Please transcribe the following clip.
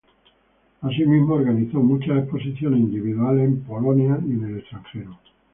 Asimismo, organizó muchas exposiciones individuales en Polonia y en el extranjero.